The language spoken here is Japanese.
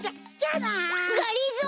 がりぞー！